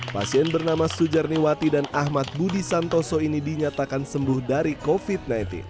pasien bernama sujarniwati dan ahmad budi santoso ini dinyatakan sembuh dari covid sembilan belas